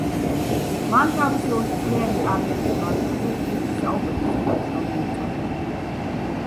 მან თავისი ოცწლიანი კარიერის მანძილზე დისკს საუკეთესო ნაშრომი უწოდა.